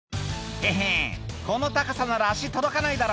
「ヘヘこの高さなら足届かないだろ」